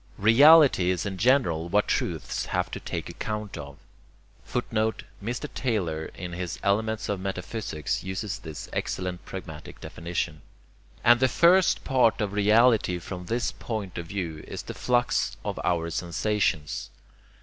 'REALITY' IS IN GENERAL WHAT TRUTHS HAVE TO TAKE ACCOUNT OF; [Footnote: Mr. Taylor in his Elements of Metaphysics uses this excellent pragmatic definition.] and the FIRST part of reality from this point of view is the flux of our sensations.